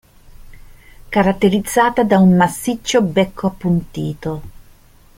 Caratterizzata da un massiccio becco appuntito.